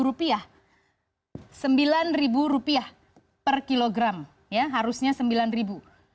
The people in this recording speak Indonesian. rp sembilan per kilogram ya harusnya rp sembilan